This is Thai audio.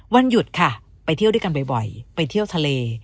วันหยุดค่ะไปเที่ยวด้วยกันบ่อยไปเที่ยวทะเล